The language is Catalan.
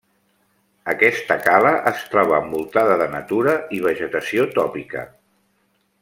Aquesta cala es troba envoltada de natura i vegetació tòpica.